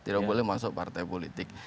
tidak boleh masuk partai politik